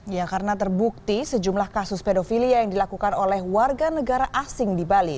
ya karena terbukti sejumlah kasus pedofilia yang dilakukan oleh warga negara asing di bali